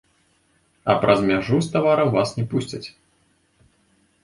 А праз мяжу з таварам вас не пусцяць.